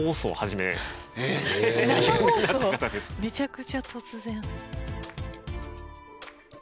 めちゃくちゃ突然。